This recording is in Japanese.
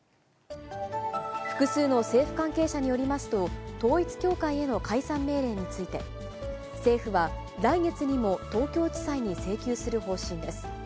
複数の政府関係者によりますと、統一教会への解散命令について、政府は来月にも東京地裁に請求する方針です。